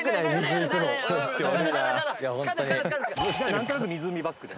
なんとなく湖バックで。